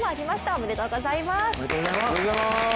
おめでとうございます。